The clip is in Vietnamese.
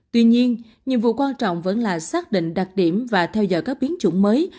tuy nhiên nhiệm vụ quan trọng vẫn là xác định đặc điểm và theo dõi các biến chủng mới